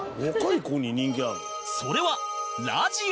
それはラジオ